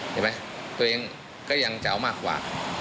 ตัวเองก็ยังจะเอามากกว่า